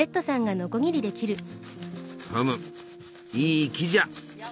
ふむいい木じゃ。